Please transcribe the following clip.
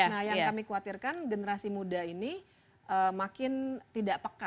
nah yang kami khawatirkan generasi muda ini makin tidak peka